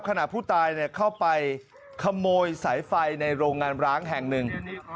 ขณะผู้ตายเข้าไปขโมยสายไฟในโรงงานร้างแห่งหนึ่ง